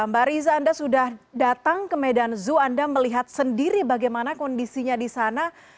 mbak riza anda sudah datang ke medan zoo anda melihat sendiri bagaimana kondisinya di sana